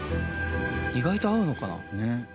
意外と合うのかな？